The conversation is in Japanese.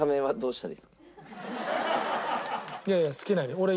いやいや好きなように。